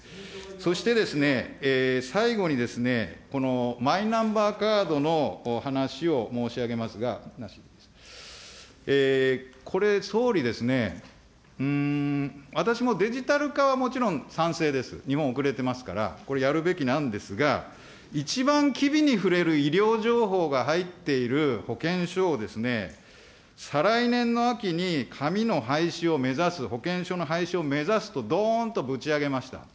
そしてですね、最後にですね、このマイナンバーカードの話を申し上げますが、これ、総理ですね、私もデジタル化はもちろん賛成です、日本遅れてますから、これやるべきなんですが、一番機微に触れる医療情報が入っている保険証を再来年の秋に紙の廃止を目指す、保険証の廃止を目指すとどーんとぶち上げました。